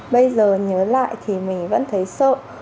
bây giờ nhớ lại thì mình vẫn thấy sợ